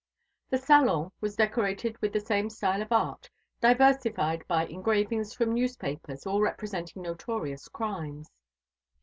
The salon was decorated with the same style of art, diversified by engravings from newspapers, all representing notorious crimes.